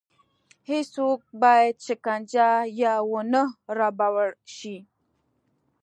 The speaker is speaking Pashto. هېڅوک باید شکنجه یا ونه ربړول شي.